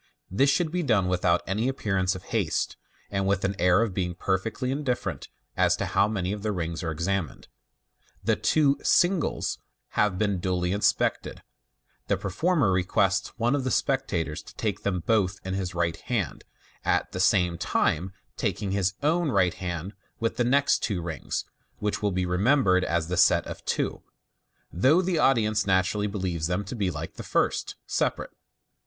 This should be done without any appearance of haste, and with an air of being perfectly indifferent as to how many of the rings are ex amined. The two " singles " having been duly inspected, the performer request sone of the spectators to take them both in his right hand, at the same time taking in his own right hand the next two rings, which, it will be remembered, are the set of two, though the audience naturally believe them to be, like the first, separate.